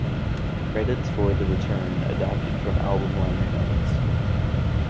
Credits for "The Return" adapted from album liner notes.